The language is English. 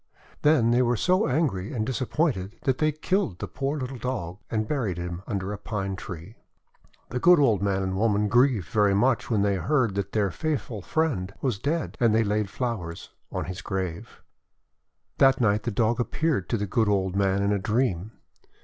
Then they were so angry and disappointed that they killed the poor little Dog, and buried him under a Pine Tree. The good old man and woman grieved very much when they heard that their faithful friend was dead; and they laid flowers on his grave. 316 THE WONDER GARDEN That night the Dog appeared to the good old man in a dream.